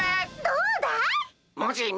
どうだい？